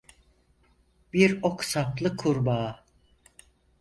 Bir ok saplı kurbağa.